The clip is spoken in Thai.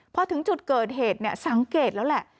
พอถึงจุดเกิดเหตุสังเกตแล้วแหละ